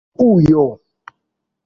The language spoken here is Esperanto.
ujo